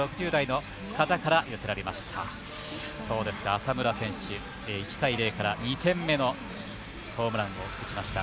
浅村選手、１対０から２点目のホームランを打ちました。